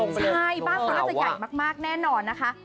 ใช่บ้านเขาน่าจะใหญ่มากแน่นอนนะคะ